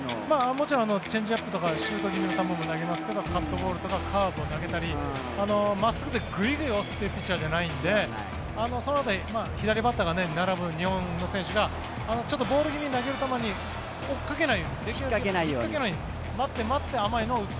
もちろんチェンジアップとかシュート気味の球も投げますが、カットボールとかカーブを投げたり真っすぐでグイグイ押すというピッチャーじゃないのでその辺り左バッターが並ぶ日本の選手がボール気味に投げる球を追いかけないように引っかけないように待って、待って甘いのを打つ。